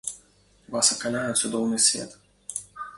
Вас акаляе цудоўны свет.